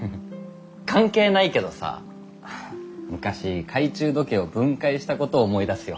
関係ないけどさ昔懐中時計を分解したことを思い出すよ。